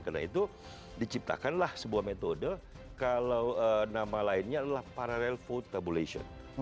karena itu diciptakanlah sebuah metode kalau nama lainnya adalah parallel vote tabulation